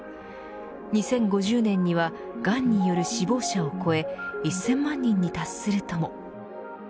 ２０５０年にはがんによる死亡者を超え１０００万人に達するとも。